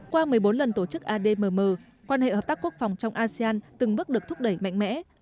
qua một mươi bốn lần tổ chức admm quan hệ hợp tác quốc phòng trong asean từng bước được thúc đẩy mạnh mẽ